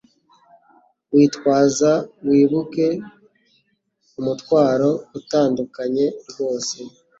witwaza wibuke umutwaro utandukanye rwose